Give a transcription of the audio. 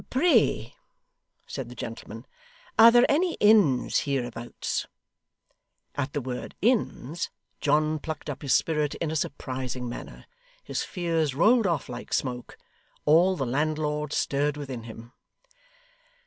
'Pray,' said the gentleman, 'are there any inns hereabouts?' At the word 'inns,' John plucked up his spirit in a surprising manner; his fears rolled off like smoke; all the landlord stirred within him.